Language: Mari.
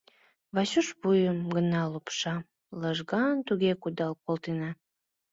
Васюш вуйым гына лупша: лыжган туге кудал колтена.